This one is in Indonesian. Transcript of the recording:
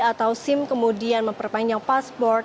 atau sim kemudian memperpanjang pasport